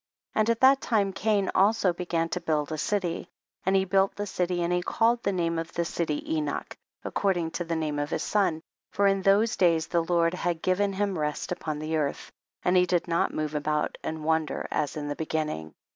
35. And at that time Cain also be gan to build a city : and he built the city and he called the name of the city Enoch, according to the name of his son ; for in those days the Lord had given him rest upon the earth, and he did not move about and wander as in the beginning.